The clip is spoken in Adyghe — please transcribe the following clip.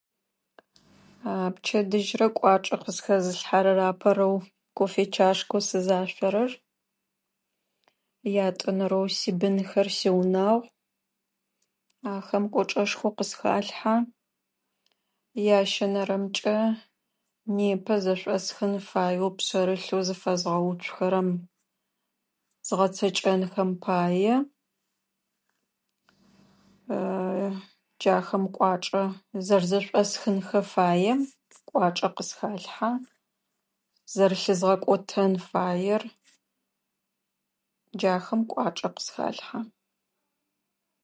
Пчэдыжьырэ кӏуачӏэ къысхэзылъхьэрэр апэрэу кофе чашкэу сызашъорэр. Ятӏонэрэу сибынхэр, сиунагъу. Ахэм кӏуэчӏэшхо къысхалъхьэ. Ящэнэрэмкӏэ непэ зэшъуӏэсхын фаеу пшъэрылъэу зыфэзгъэуцухэрэм, згъэцэкӏэнхэм пае. Джахэм кӏуачӏэ зэрзэшъуӏэсхынхэ фаем кӏуачӏэ къысхалъхьэ. Зэрлъызгъэкӏотэн фаер. Джахэм кӏуачӏэ къысхалъхьэ.